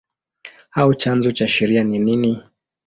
au chanzo cha sheria ni nini?